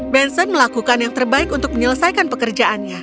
benson melakukan yang terbaik untuk menyelesaikan pekerjaannya